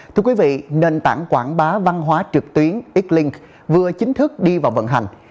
thưa quý vị nền tảng quảng bá văn hóa trực tuyến ecklink vừa chính thức đi vào vận hành